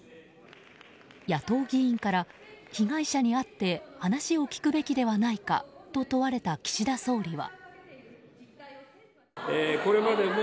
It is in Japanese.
野党議員から、被害者に会って話を聞くべきではないかと問われた岸田総理は。